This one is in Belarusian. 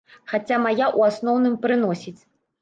Хаця мая ў асноўным прыносіць.